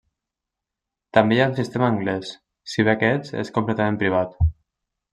També hi ha un sistema anglès, si bé aquests és completament privat.